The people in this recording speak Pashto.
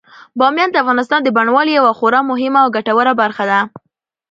بامیان د افغانستان د بڼوالۍ یوه خورا مهمه او ګټوره برخه ده.